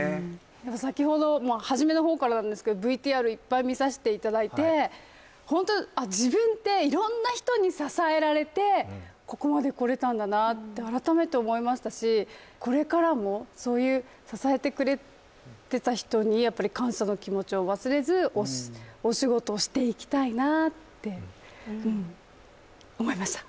先ほど始めの方からなんですけどＶＴＲいっぱい見さしていただいてホント自分って色んな人に支えられてここまで来れたんだなって改めて思いましたしこれからもそういう支えてくれてた人にやっぱり感謝の気持ちを忘れずお仕事していきたいなってうん思いました